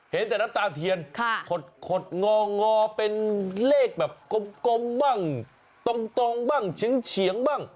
เห็นแต่น้ำตาเทียนขดงองอเป็นเลขแบบกลมบ้างตรงบ้างเฉียงบ้าง